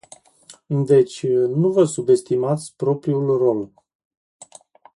Deci, nu vă subestimați propriul rol.